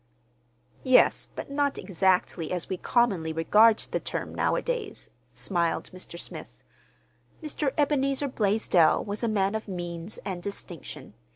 "Yes, but not exactly as we commonly regard the term nowadays," smiled Mr. Smith. "Mr. Ebenezer Blaisdell was a man of means and distinction.